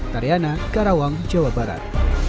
tariana karawang jawa barat